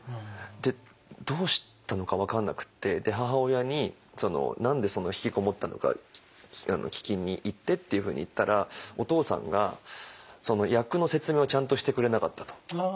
でどうしたのか分かんなくって母親に「何でそんな引きこもったのか聞きにいって」っていうふうに言ったら「お父さんが役の説明をちゃんとしてくれなかった」と。